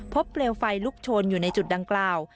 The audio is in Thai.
เปลวไฟลุกชนอยู่ในจุดดังกล่าว